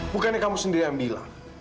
bukannya kamu sendiri yang bilang